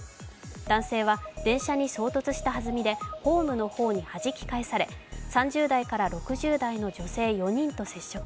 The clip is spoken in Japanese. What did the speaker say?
男性は電車に衝突した弾みでホームの方にはじき返され３０代から６０代の女性４人と接触。